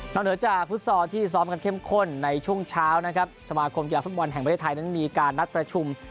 เหนือจากฟุตซอลที่ซ้อมกันเข้มข้นในช่วงเช้านะครับสมาคมกีฬาฟุตบอลแห่งประเทศไทยนั้นมีการนัดประชุม